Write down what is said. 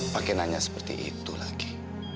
pak kita hanya seperti itu lagi